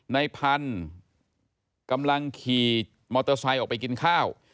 ในพันธุ์กำลังขี่มอเตอร์ไซค์ออกไปกินข้าว